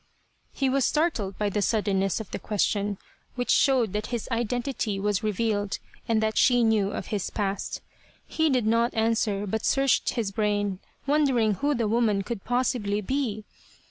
" He was startled by the suddenness of the question, which showed that his identity was revealed and that she knew of his past. He did not answer but searched his brain, wondering who the woman could possibly be.